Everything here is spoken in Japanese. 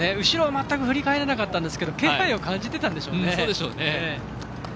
後ろを全く振り返らなかったんですけど気配を感じてたんでしょうね。